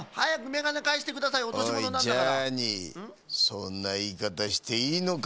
そんないいかたしていいのか？